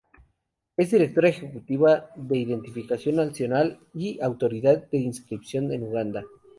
Es Directora Ejecutiva de Identificación Nacional y Autoridad de Inscripción en Uganda.